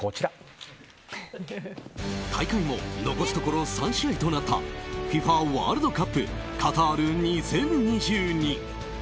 大会も残すところ３試合となったＦＩＦＡワールドカップカタール２０２２。